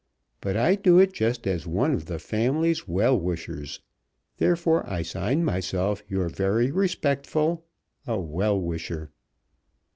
But I do it just as one of the family's well wishers. Therefore I sign myself your very respectful, A WELL WISHER.